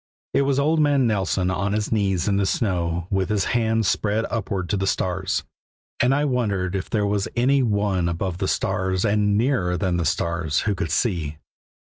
It was old man Nelson on his knees in the snow, with his hands spread upward to the stars, and I wondered if there was any One above the stars and nearer than the stars who could see.